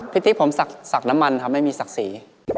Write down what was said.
พี่ติ๊บผมศักดิ์น้ำมันครับไม่มีศักดิ์สี